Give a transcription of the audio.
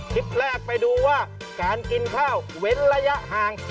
คลิปแรกไปดูว่าการกินข้าวเว้นระยะห่าง